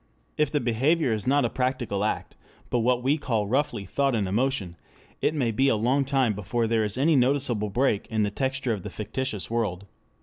If the behavior is not a practical act, but what we call roughly thought and emotion, it may be a long time before there is any noticeable break in the texture of the fictitious world.